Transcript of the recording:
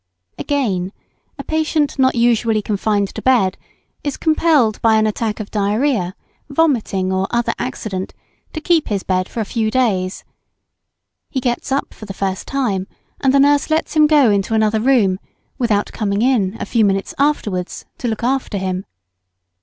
] Again, a patient not usually confined to bed, is compelled by an attack of diarrhoea, vomiting, or other accident, to keep his bed for a few days; he gets up for the first time, and the nurse lets him go into another room, without coming in, a few minutes afterwards, to look after him.